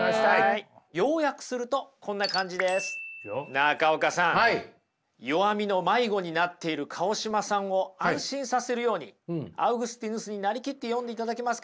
中岡さん弱みの迷子になっている川島さんを安心させるようにアウグスティヌスになりきって読んでいただけますか？